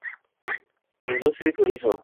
Industria y turismo.